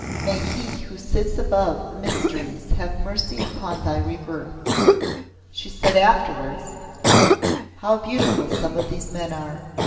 "May He who sits above the Mysteries, have mercy upon thy rebirth." She said afterwards; "How beautiful some of these men are.